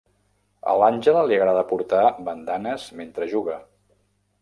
A l'Àngela li agrada portar bandanes mentre juga.